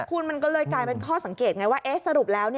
คุณมันก็เลยกลายเป็นข้อสังเกตไงว่าสรุปแล้ว